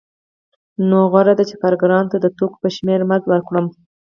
نو غوره ده چې کارګرانو ته د توکو په شمېر مزد ورکړم